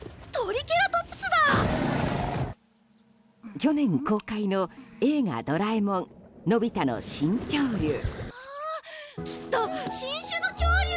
去年公開の「映画ドラえもんのび太の新恐竜」。